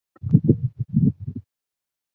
沮渠秉卢水胡人。